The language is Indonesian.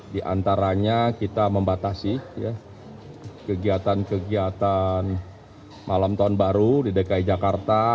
di antaranya kita membatasi kegiatan kegiatan malam tahun baru di dki jakarta